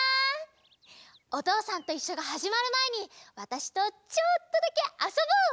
「おとうさんといっしょ」がはじまるまえにわたしとちょっとだけあそぼう！